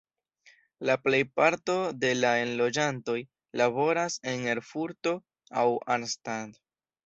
La plejparto de la enloĝantoj laboras en Erfurto aŭ Arnstadt.